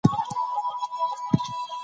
افغانستان د پسرلی له پلوه متنوع دی.